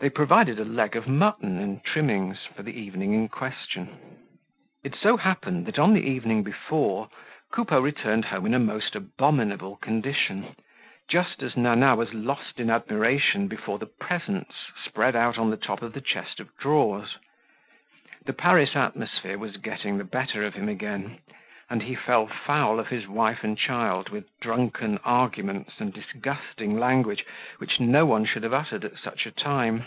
They provided a leg of mutton and trimmings for the evening in question. It so happened that on the evening before, Coupeau returned home in a most abominable condition, just as Nana was lost in admiration before the presents spread out on the top of the chest of drawers. The Paris atmosphere was getting the better of him again; and he fell foul of his wife and child with drunken arguments and disgusting language which no one should have uttered at such a time.